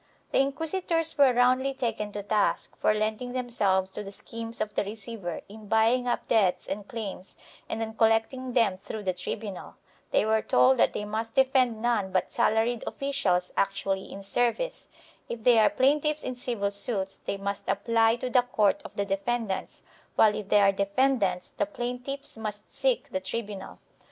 The inquisitors were roundly taken to task for lending themselves to the schemes of the receiver in buying up debts and claims and then collecting them through the tribunal; they were told that they must defend none but salaried officials actually in service; if they are plain tiffs in civil suits they must apply to the court of the defendants, while if they are defendants the plaintiffs must seek the tribunal.